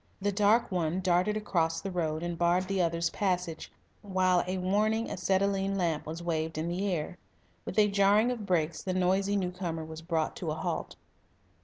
The dark one darted across the road and barred the other's passage, while a warning acetylene lamp was waved in the air. With a jarring of brakes the noisy new comer was brought to a halt.